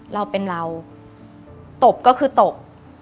เราเป็นเราตบก็คือตบ